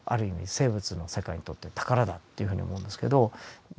生物の世界にとって宝だっていうふうに思うんですけどま